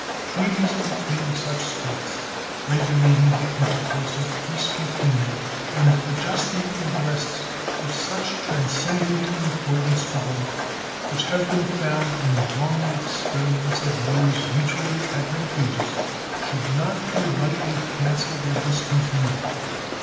Treaties between such States, regulating the intercourse of peace between them and adjusting interests of such transcendent importance to both, which have been found in a long experience of years mutually advantageous, should not be lightly cancelled or discontinued.